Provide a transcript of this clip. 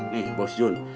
nih bos jun